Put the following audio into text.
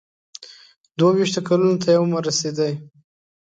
دوه ویشتو کلونو ته یې عمر رسېدی.